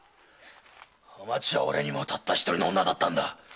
おまちは俺にもたった一人の女だったんだ！